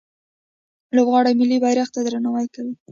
لوبغاړي ملي بیرغ ته درناوی کوي.